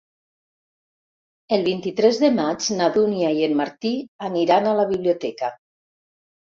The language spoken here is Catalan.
El vint-i-tres de maig na Dúnia i en Martí aniran a la biblioteca.